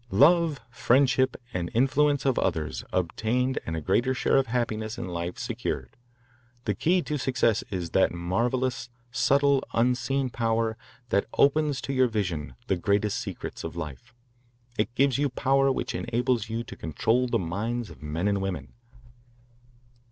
Love, friendship, and influence of others obtained and a greater share of happiness in life secured. The key to success is that marvellous, subtle, unseen power that opens to your vision the greatest secrets of life. It gives you power which enables you to control the minds of men and women.